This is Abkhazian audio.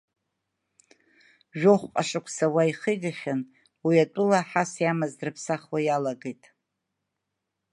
Жәохәҟа шықәса уа ихигахьан, уи атәыла аҳас иамаз дрыԥсахуа иалагеит.